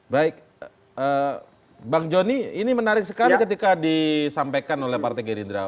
baik bang joni ini menarik sekali ketika disampaikan oleh partai gerindra